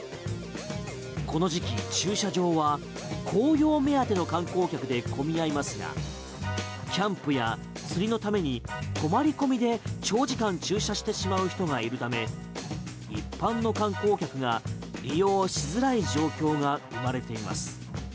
この時期、駐車場は紅葉目当ての観光客で混み合いますがキャンプや釣りのために泊まり込みで長時間駐車してしまう人がいるため一般の観光客が利用しづらい状況が生まれています。